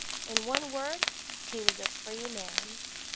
In one word, he was a free man.